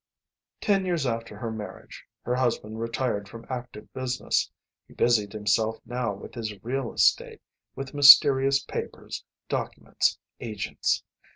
Ten years after her marriage her husband retired from active business. He busied himself now with his real estate, with mysterious papers, documents, agents.